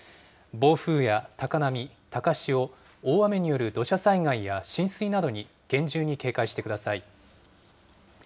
暴風や高波、高潮、大雨による土砂災害や浸水などに厳重に警戒してください。